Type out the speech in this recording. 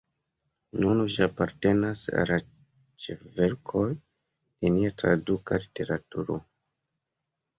Nun ĝi apartenas al la ĉefverkoj de nia traduka literaturo.